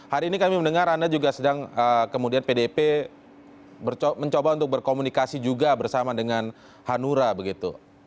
hari ini kami mendengar anda juga sedang kemudian pdip mencoba untuk berkomunikasi juga bersama dengan hanura begitu